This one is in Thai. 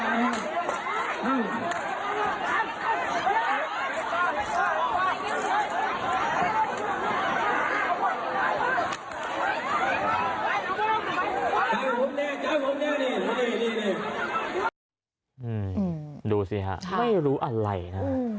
ดูสิฮะไม่รู้อะไรนะ